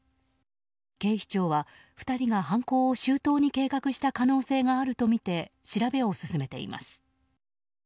警視庁は、２人が犯行を周到に計画した可能性があるとみて調べを進めています。